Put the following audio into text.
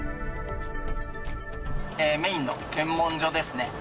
メインの検問所ですね。